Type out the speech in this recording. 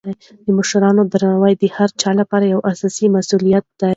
د مشرانو درناوی د هر چا لپاره یو اساسي مسولیت دی.